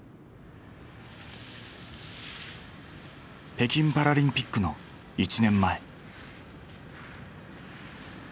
北京パラリンピックの１年前。